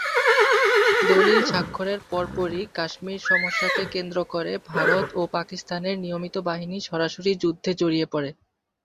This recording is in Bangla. দলিল স্বাক্ষরের পরপরই কাশ্মীর সমস্যাকে কেন্দ্র করে ভারত ও পাকিস্তানের নিয়মিত বাহিনী সরাসরি যুদ্ধে জড়িয়ে পড়ে।